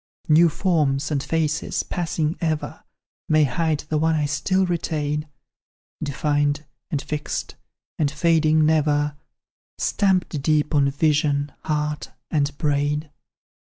"New forms and faces, passing ever, May hide the one I still retain, Defined, and fixed, and fading never, Stamped deep on vision, heart, and brain.